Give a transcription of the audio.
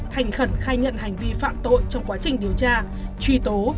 thành khẩn khai nhận hành vi phạm tội trong quá trình điều tra truy tố